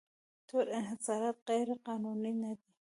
ټول انحصارات غیرقانوني نه دي.